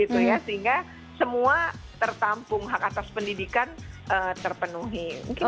sehingga semua tertampung hak atas pendidikan terpenuhi